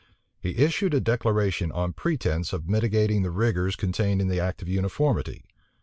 He issued a declaration on pretence of mitigating the rigors contained in the act of uniformity.